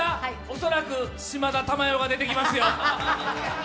恐らく島田珠代が出てきますよ。